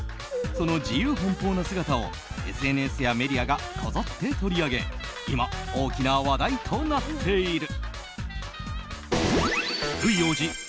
その自由奔放な姿をＳＮＳやメディアがこぞって取り上げ今、大きな話題となっている。